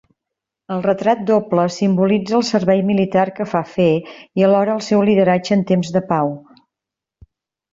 El retrat doble simbolitza el servei militar que fa fer i alhora el seu lideratge en temps de pau.